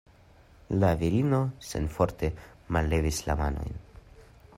La virino senforte mallevis la manojn.